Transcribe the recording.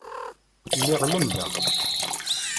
Lliɣ lemmdeɣ.